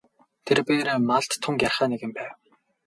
Тэрбээр малд тун гярхай нэгэн байв.